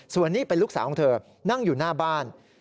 ส่วนนี้เป็นลูกสาวของเธอนั่งอยู่หน้าบ้าน